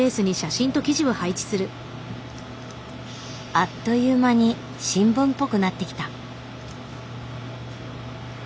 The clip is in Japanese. あっという間に新聞っぽくなってきた。